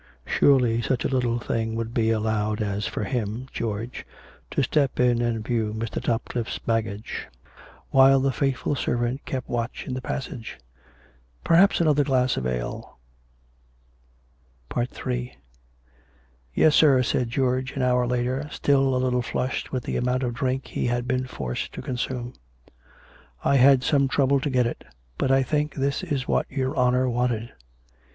Surely such a little thing would be allowed as for him, George, to step in and view Mr. Topcliffe's bag gage, while the faithful servant kept watch in the passage ! Perhaps another glass of ale 254 COME RACK! COME ROPE! Ill " Yes, sir," said George an hour later, still a little flushed with the amount of drink he had been forced to consume. " I had some trouble to get it. But I think this is what your honour wanted."